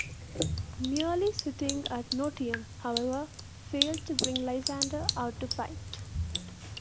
Merely sitting at Notium, however, failed to bring Lysander out to fight.